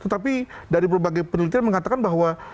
tetapi dari berbagai penelitian mengatakan bahwa